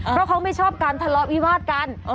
เพราะเขาไม่ชอบการทะเลาะวิวาดกัน